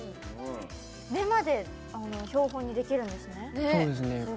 目まで標本にできるんですね。